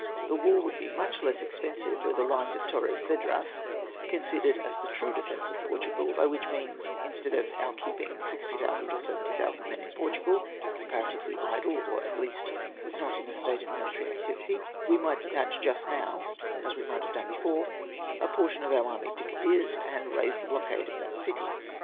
" The war would be much less expensive, were the lines of Torres Vedras considered as the true defence of Portugal; by which means, instead of our keeping 60,000 or 70,000 men in Portugal, comparatively idle, or, at least, not in a state of military activity, we might detach just now, as we might have done before, a portion of our army to Cadiz, and raise the blockade of that city.